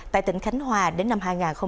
tại tỉnh khánh hòa đến năm hai nghìn ba mươi